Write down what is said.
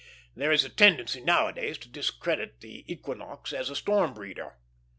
There is a tendency nowadays to discredit the equinox as a storm breeder.